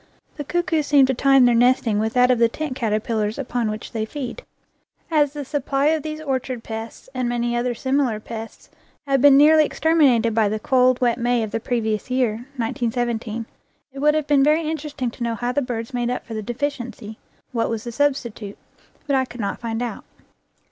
The cuckoos seem to tune their nesting with that of the tent caterpillars upon which they feed. As the sup ply of these orchard pests, and many other similar pests, had been nearly exterminated by the cold, wet May of the previous year (1917), it would have been very interesting to know how the birds made NEW GLEANINGS IN OLD FIELDS up for the deficiency what was the substitute. But I could not find out.